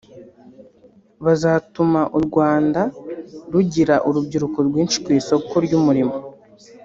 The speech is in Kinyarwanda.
bazatuma u Rwanda rugira urubyiruko rwinshi ku isoko ry’umurimo